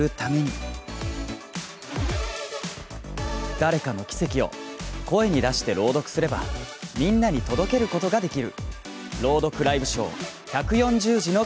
誰かのキセキを声に出して朗読すればみんなに届けることができる。